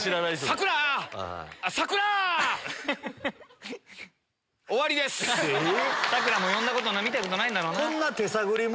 さくらも呼んだことない見たことないんだろうな。